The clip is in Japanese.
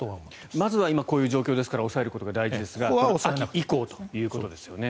まずは今こういう状況ですから抑えることが大事ですが秋以降ということですよね。